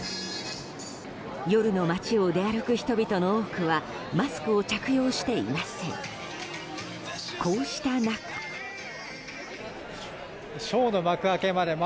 夜の街を出歩く人々の多くはマスクを着用していません。